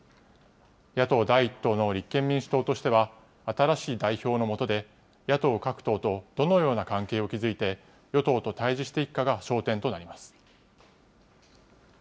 野党第１党の立憲民主党としては、新しい代表の下で野党各党とどのような関係を築いて与党と対じしていくかが焦点となります。